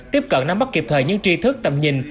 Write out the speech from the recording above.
tiếp cận nắm bắt kịp thời những tri thức tầm nhìn